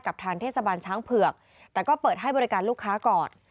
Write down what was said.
ทางเทศบาลช้างเผือกแต่ก็เปิดให้บริการลูกค้าก่อน